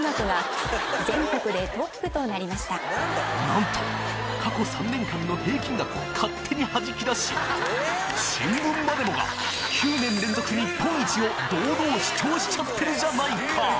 なんと過去３年間の平均額を勝手にはじき出し新聞までもが９年連続日本一を堂々主張しちゃってるじゃないか！